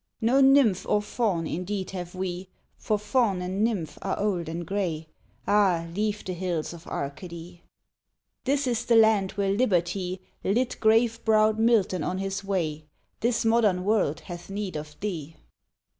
No nymph or Faun indeed have we, For Faun and nymph are old and grey, Ah, leave the hills of Arcady! This is the land where liberty Lit grave browed Milton on his way, This modern world hath need of thee!